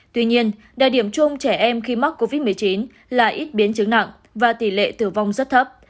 tuy nhiên đại điểm chung trẻ em khi mắc covid một mươi chín là ít biến chứng nặng và tỷ lệ tử vong rất thấp